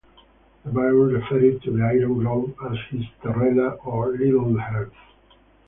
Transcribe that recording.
The Baron referred to the iron globe as his "terrella", or "little earth".